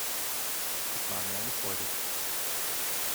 Es war mir eine Freude.